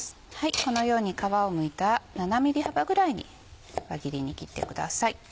このように皮をむいた７ｍｍ幅ぐらいに輪切りに切ってください。